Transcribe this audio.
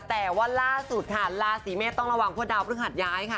แต่ว่าล่าสุดครับลาสีเม้ต้องระวังเพื่อด่าวภฤษษหัดย้ายค่ะ